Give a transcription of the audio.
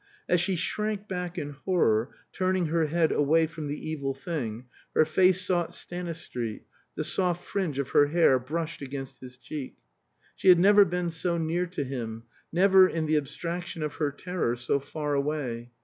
As she shrank back in horror, turning her head away from the evil thing, her face sought Stanistreet, the soft fringe of her hair brushed against his cheek. She had never been so near to him, never, in the abstraction of her terror, so far away.